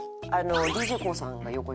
ＤＪＫＯＯさんが横に。